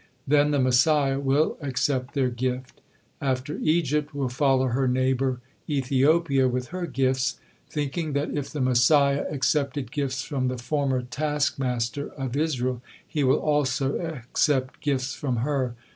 Then the Messiah will accept their gift. After Egypt will follow her neighbor, Ethiopia, with her gifts, thinking that if the Messiah accepted gifts from the former taskmaster of Israel, he will also accept gifts from her.